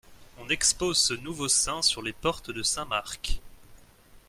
On expose ce nouveau saint sur les portes de Saint-Marc.